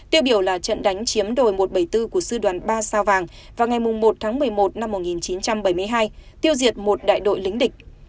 tiêu biểu là trận đánh chiếm đổi một trăm bảy mươi bốn của sư đoàn ba sao vàng vào ngày một tháng một mươi một năm một nghìn chín trăm bảy mươi hai tiêu diệt một đại đội lính địch